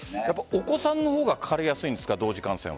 お子さんの方がかかりやすいんですか？